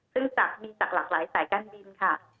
ซึ่งจะมีจากหลากหลายสายการบินค่ะ